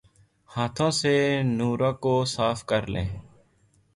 ہاتھوں سے نورہ کو صاف کرلیں